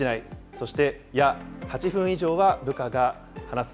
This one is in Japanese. そして、や、８分以上は部下が話す。